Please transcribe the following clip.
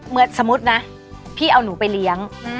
สมมุตินะพี่เอาหนูไปเลี้ยง